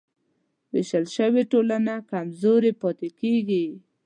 وېشل شوې ټولنه کمزورې پاتې کېږي.